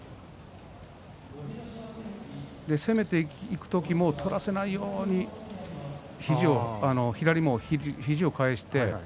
攻めていく時も取らせないように左も肘を返して。